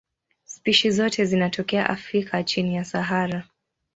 Spishi zote zinatokea Afrika chini ya Sahara.